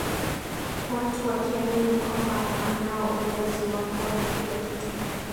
Watu wakiamini kwamba anao uwezo wa kuona kila kitu